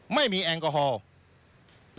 ไม่มีแอลกอฮอล์